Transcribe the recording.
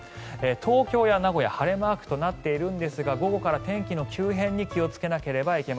東京や名古屋は晴れマークとなっているんですが午後から天気の急変に気をつけてください。